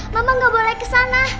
mama gak boleh kesana